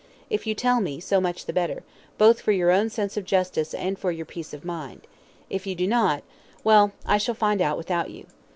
If you tell me, so much the better, both for your own sense of justice and for your peace of mind; if you do not well, I shall find out without you.